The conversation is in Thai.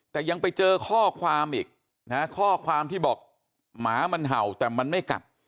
แต่ยังไปเจอข้อความอีกนะฮะข้อความที่บอกหมามันเห่าแต่มันไม่กัด